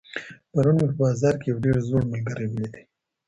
پرون مي په بازار کي یو ډېر زوړ ملګری ولیدی.